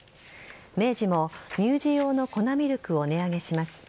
明治も乳児用の粉ミルクを値上げします。